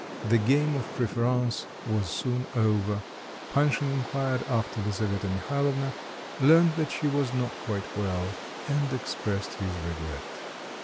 The game of preference was soon over. Panshin inquired after Lisaveta Mihalovna, learnt that she was not quite well, and expressed his regret.